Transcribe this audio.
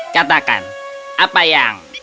katakan apa yang